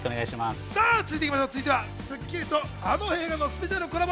続いては『スッキリ』とあの映画のスペシャルコラボ